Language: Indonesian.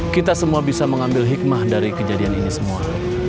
kita semua bisa mengambil hikmah dari kejadian ini semua